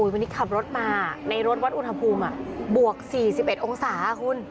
วันนี้ขับรถมาในรถวัดอุณหภูมิบวก๔๑องศาคุณ